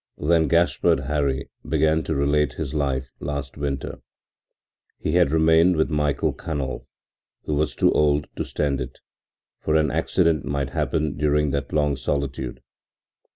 Then Gaspard Hari began to relate his life last winter. He had remained with Michael Canol, who was too old now to stand it, for an accident might happen during that long solitude.